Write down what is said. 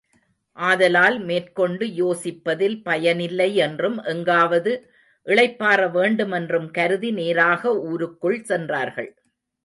ஆதலால் மேற்கொண்டு யோசிப்பதில் பயனில்லை என்றும், எங்காவது இளைப்பாற வேண்டுமென்றும் கருதி நேராக ஊருக்குள் சென்றார்கள்.